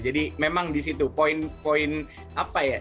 jadi memang di situ poin poin apa ya